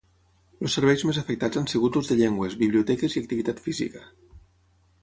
Els serveis més afectats han sigut els de llengües, biblioteques i activitat física.